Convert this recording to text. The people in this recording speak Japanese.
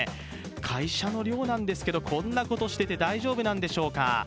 会社の寮なんですけど、こんなことしてて大丈夫なんでしょうか？